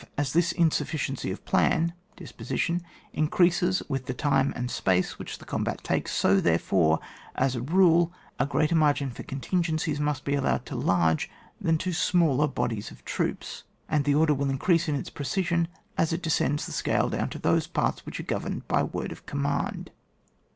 As this insufficiency of plan (dis position) increases with the time and space which the combat takes, so, there fore, as a rule, a greater margin for con tingencies must be allowed to large than to smaller bodies of troops, and the order will increase in its precision as it de scends the scale down to those parts which are governed by word of com mand.